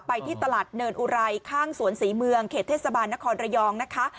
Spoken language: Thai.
ที่ตลาดเนินอุไรข้างสวนศรีเมืองเขตเทศบาลนครระยองนะคะ